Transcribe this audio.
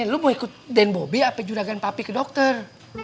lo mau ikut denbobi apa juragan papi ke dokter